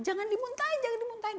jangan dimuntahin jangan dimuntahin